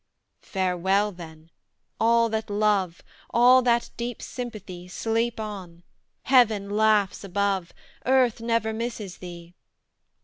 Farewell, then, all that love, All that deep sympathy: Sleep on: Heaven laughs above, Earth never misses thee.